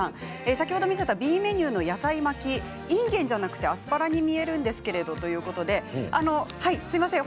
先ほど見せたＢメニューの野菜巻きいんげんじゃなくてアスパラに見えるんですけれどということであのはいすいません。